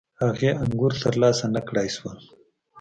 هغې انګور ترلاسه نه کړای شول.